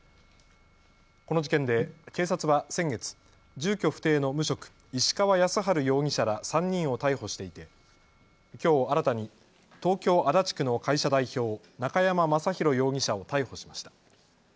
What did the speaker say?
この事件で警察は先月、住居不定の無職、石川泰治容疑者ら３人を逮捕していてきょう新たに東京足立区の会社代表、中山正弘容疑者を逮捕しました。